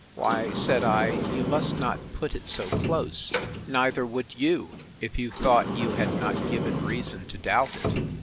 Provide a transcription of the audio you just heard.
—Why, said I, you must not put it so close; neither would you, if you thought you had not given reason to doubt it!